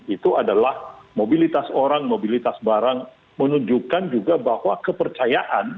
itu adalah mobilitas orang mobilitas barang menunjukkan juga bahwa kepercayaan